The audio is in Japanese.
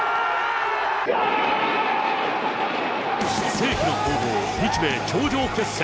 世紀の攻防、日米頂上決戦。